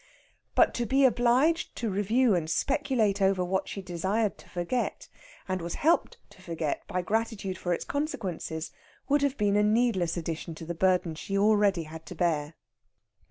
But to be obliged to review and speculate over what she desired to forget, and was helped to forget by gratitude for its consequences, would have been a needless addition to the burden she had already to bear.